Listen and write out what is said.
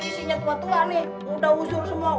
isinya tua tua nih udah wujur semua